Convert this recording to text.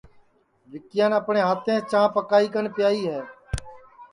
وکیان اپٹؔے ہاتیںٚس چاں پکائی کن پیائی